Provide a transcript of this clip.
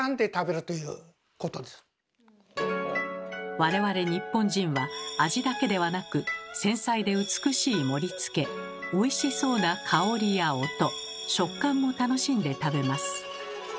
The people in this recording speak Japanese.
我々日本人は味だけではなく繊細で美しい盛りつけおいしそうな香りや音食感も楽しんで食べます。